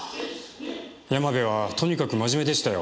山部はとにかく真面目でしたよ。